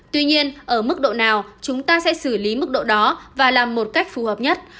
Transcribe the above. tuy nhiên ở mức độ nào chúng ta sẽ xử lý mức độ đó và làm một cách phù hợp nhất